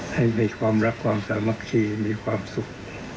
ให้มีความรักความสามัคคีมีความสุข